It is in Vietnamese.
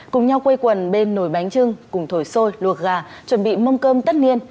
cùng nhau quây quần bên nồi bánh trưng cùng thổi sôi luộc gà chuẩn bị mâm cơm tất niên